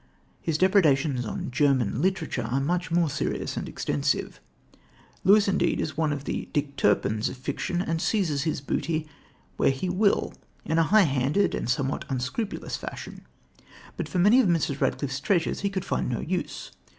His depredations on German literature are much more serious and extensive. Lewis, indeed, is one of the Dick Turpins of fiction and seizes his booty where he will in a high handed and somewhat unscrupulous fashion, but for many of Mrs. Radcliffe's treasures he could find no use.